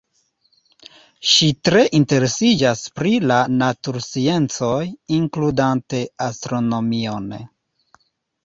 Ŝi tre interesiĝas pri la natursciencoj, inkludante astronomion.